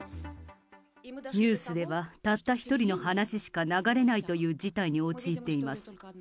ニュースではたった一人の話しか流れないという事態に陥っています。